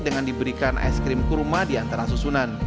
dengan diberikan ice cream kurma diantara susunan